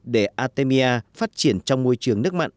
để artemia phát triển trong môi trường nước mặn